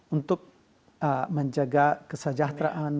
untuk menjaga kesejahteraan